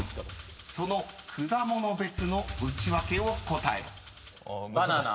［その果物別のウチワケを答えろ］